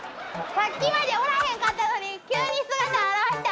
さっきまでおらへんかったのに急に姿現した。